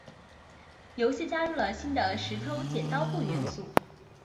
游戏加入了新的石头剪刀布元素。